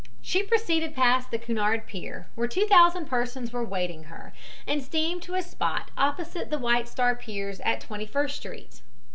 She proceeded past the Cunard pier, where 2000 persons were waiting her, and steamed to a spot opposite the White Star piers at Twenty first Street.